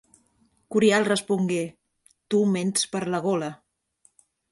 Curial respongué: Tu ments per la gola.